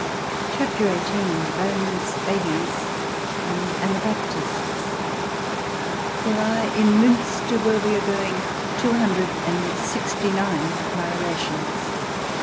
CHAPTER XVIII BONES, BABIES, AND ANABAPTISTS " There are in Miinster, where we are going, two hundred and sixty nine of my relations!"